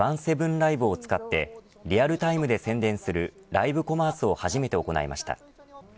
ＬＩＶＥを使ってリアルタイムで宣伝するライブコマースを初めて行いました。